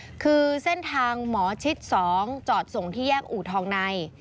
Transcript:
คือเส้นทางหมอชิด๒จอดส่งที่แยกอู่ทองใน